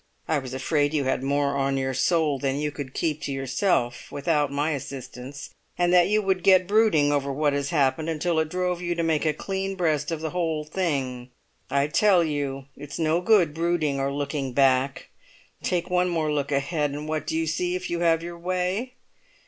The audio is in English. I was afraid you had more on your soul than you could keep to yourself without my assistance, and that you would get brooding over what has happened until it drove you to make a clean breast of the whole thing. I tell you it's no good brooding or looking back; take one more look ahead, and what do you see if you have your way?